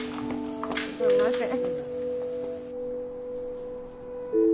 すんません。